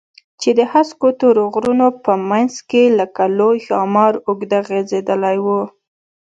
چې د هسکو تورو غرونو په منځ کښې لکه لوى ښامار اوږده غځېدلې وه.